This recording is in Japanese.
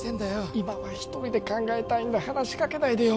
今は一人で考えたいんだ話しかけないでよ